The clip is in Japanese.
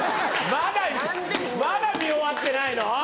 まだ見終わってないの？